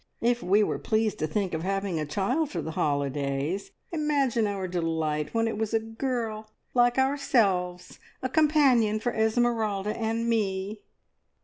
If we were pleased to think of having a child for the holidays, imagine our delight when it was a girl like ourselves a companion for Esmeralda and me!"